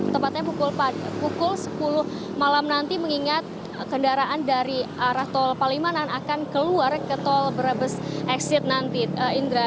tepatnya pukul sepuluh malam nanti mengingat kendaraan dari arah tol palimanan akan keluar ke tol brebes exit nanti indra